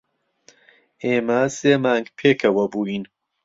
ئێمە سێ مانگ پێکەوە بووین.